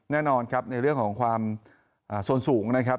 แน่นอนครับในเรื่องของความส่วนสูงนะครับ